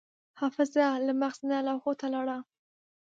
حافظه له مغز نه لوحو ته لاړه.